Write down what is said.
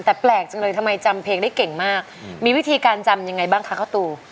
แต่แปลกจังเลยทำไมจำเพลงได้เก่งมากมีวิธีการจำยังไงบ้างคะข้าวตู